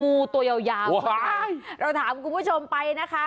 งูตัวยาวเราถามคุณผู้ชมไปนะคะ